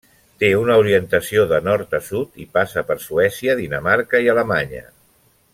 Té una orientació de nord a sud i passa per Suècia, Dinamarca i Alemanya.